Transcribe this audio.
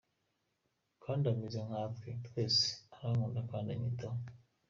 kandi ameze nkatwe twese, arankunda kandi akanyitaho, .